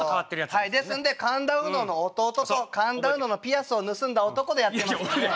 はいですんで神田うのの弟と神田うののピアスを盗んだ男でやってますんでね。